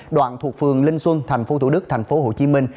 đoạn thuộc phường linh xuân thành phố thủ đức thành phố hồ chí minh